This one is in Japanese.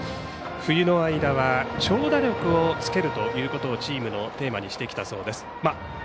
冬の間は長打力をつけるということをチームのテーマにしてきたそうです。